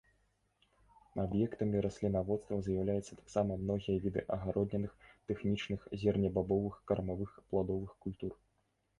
Аб'ектамі раслінаводства з'яўляюцца таксама многія віды агароднінных, тэхнічных, зернебабовых, кармавых, пладовых культур.